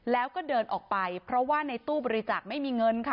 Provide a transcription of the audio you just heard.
แล้วก็เดินออกไปเพราะว่าในตู้บริจาคไม่มีเงินค่ะ